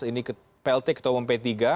ini plt ketua umum p tiga